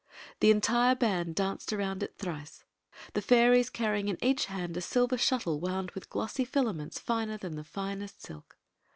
The entire band danced around it thrice, tlie fairies carrying in each hand a silver shuttle wound with glossy filaments finer than the finest silk.